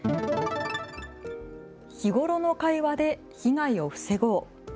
日頃の会話で被害を防ごう。